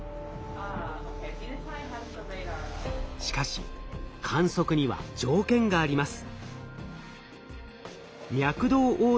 しかし観測には条件があります。